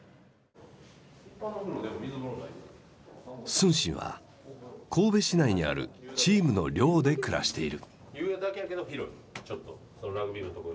承信は神戸市内にあるチームの寮で暮らしている。